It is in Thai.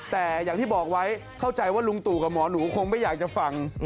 แต่อย่างที่บอกไว้เข้าใจว่าลุงตู่กับหมอหนูคงไม่อยากจะฟัง